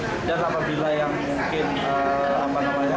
dan apabila yang mungkin berkenan dan tidak mewakili di sini bisa mengambil di atm